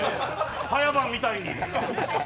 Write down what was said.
早番みたいに。